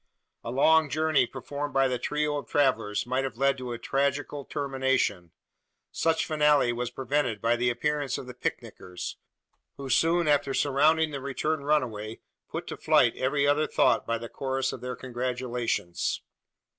A long journey performed by that trio of travellers might have led to a tragical termination. Such finale was prevented by the appearance of the picknickers; who soon after surrounding the returned runaway, put to flight every other thought by the chorus of their congratulations.